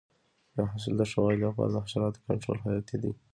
د حاصل د ښه والي لپاره د حشراتو کنټرول حیاتي دی.